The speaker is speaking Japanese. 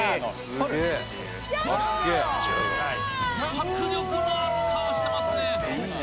・迫力のある顔してますね